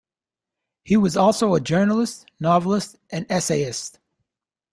He was also a journalist, novelist, and essayist.